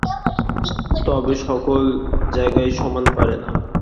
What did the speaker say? তবে সকল জায়গায় সমান পারে না।